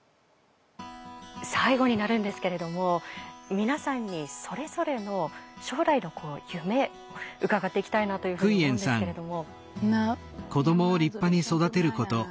最後になるんですけれども皆さんにそれぞれの将来の夢伺っていきたいなというふうに思うんですけれども。